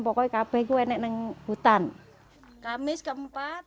pokoknya kami ini ada di hutan